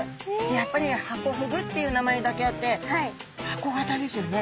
やっぱりハコフグっていう名前だけあって箱形ですよね。